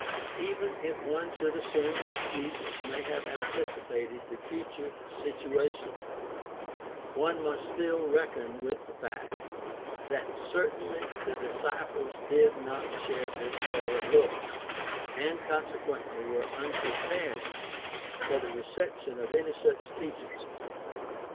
Even if one should assume that Jesus may have anticipated the future situation, one must still reckon with the fact that certainly the disciples did not share this forward look, and consequently were unprepared for the reception of any such teaching.